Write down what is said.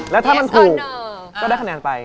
แล้วถ้ามันถูกก็ได้คะแนนไป